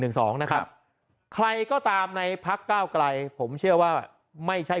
สองนะครับใครก็ตามในพักเก้าไกลผมเชื่อว่าไม่ใช่